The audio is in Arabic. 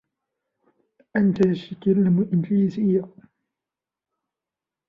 أنت تتكلم الإنجليزيه.